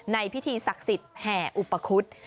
ในพิธีศักดิ์ศิษย์แห่อุปคุฒิ์